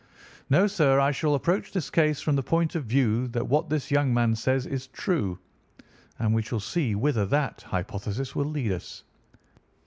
No, sir, I shall approach this case from the point of view that what this young man says is true, and we shall see whither that hypothesis will lead us.